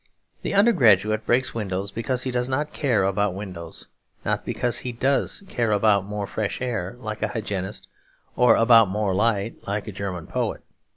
The undergraduate breaks windows because he does not care about windows, not because he does care about more fresh air like a hygienist, or about more light like a German poet.